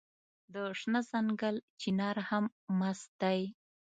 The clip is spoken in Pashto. د شنه ځنګل چنار هم مست دی